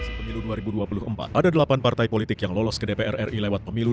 pada pemilu dua ribu dua puluh empat ada delapan partai politik yang lolos ke dpr ri lewat pemilu dua ribu dua puluh